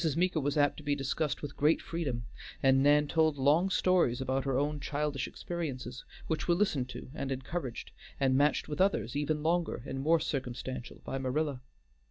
Meeker was apt to be discussed with great freedom, and Nan told long stories about her own childish experiences, which were listened to and encouraged, and matched with others even longer and more circumstantial by Marilla.